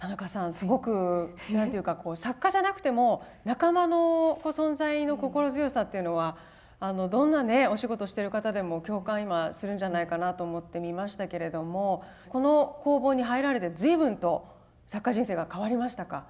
すごく何ていうか作家じゃなくても仲間の存在の心強さっていうのはどんなねお仕事してる方でも共感今するんじゃないかなと思って見ましたけれどもこの工房に入られて随分と作家人生が変わりましたか？